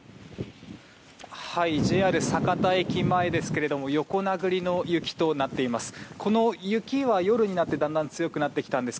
ＪＲ酒田駅前ですが横殴りの雪となっています。